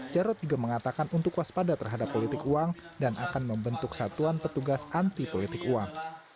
jarod juga mengatakan untuk waspada terhadap politik uang dan akan membentuk satuan petugas anti politik uang